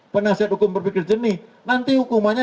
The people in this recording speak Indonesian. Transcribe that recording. penasihat hukum berpikir jernih nanti hukumannya